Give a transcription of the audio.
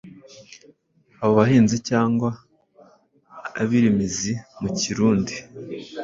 Abo bahinzi cyangwa abirimizi mu Kirundi